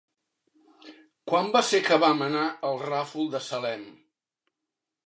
Quan va ser que vam anar al Ràfol de Salem?